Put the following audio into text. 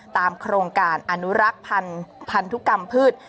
โครงการอนุรักษ์พันธุกรรมพืช